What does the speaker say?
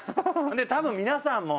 「多分皆さんも」